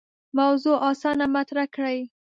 موضوع اسانه مطرح کړي.